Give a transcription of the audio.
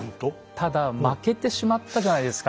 ただ負けてしまったじゃないですか。